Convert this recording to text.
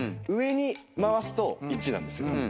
上に回すと１なんですよ